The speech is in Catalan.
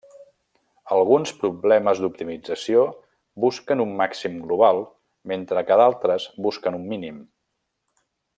Alguns problemes d'optimització busquen un màxim global mentre que d'altres busquen un mínim.